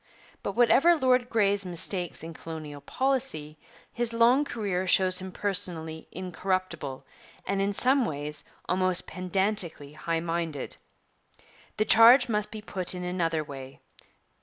But whatever Lord Grey's mistakes in colonial policy, his long career shows him personally incorruptible, and in some ways almost pedantically high minded. The charge must be put in another way.